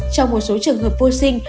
trong một số trường hợp vô sinh